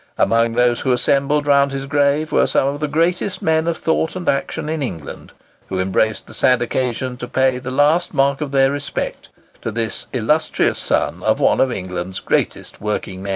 Among those who assembled round his grave were some of the greatest men of thought and action in England, who embraced the sad occasion to pay the last mark of their respect to this illustrious son of one of England's greatest working men.